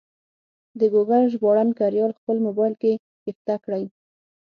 د ګوګل ژباړن کریال خپل مبایل کې کښته کړئ.